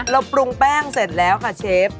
เราปรุงแป้งเสร็จแล้วค่ะเชฟ